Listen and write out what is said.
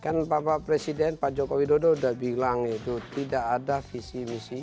kan bapak presiden pak joko widodo udah bilang itu tidak ada visi misi